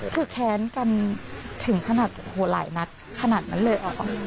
คือแค้นกันถึงขนาดโอ้โหหลายนัดขนาดนั้นเลย